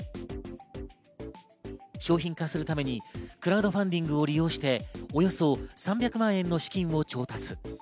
商品化するためにクラウドファンディングを利用しておよそ３００万円の資金を調達。